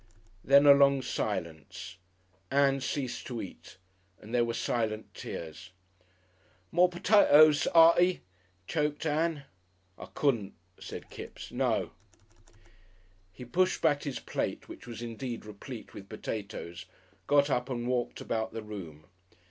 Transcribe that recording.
Then a long silence. Ann ceased to eat, and there were silent tears. "More potatoes, Artie?" choked Ann. "I couldn't," said Kipps. "No." He pushed back his plate, which was indeed replete with potatoes, got up and walked about the room.